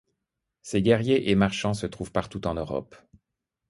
Ces guerriers et marchands se trouvent partout en Europe.